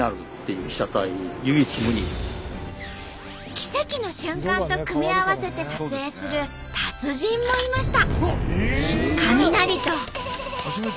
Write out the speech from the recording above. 奇跡の瞬間と組み合わせて撮影する達人もいました。